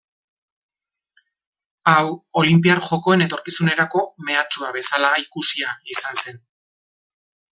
Hau, Olinpiar Jokoen etorkizunerako mehatxua bezala ikusia izan zen.